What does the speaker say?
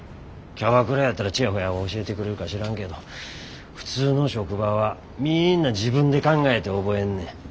キャバクラやったらチヤホヤ教えてくれるか知らんけど普通の職場はみんな自分で考えて覚えんねん。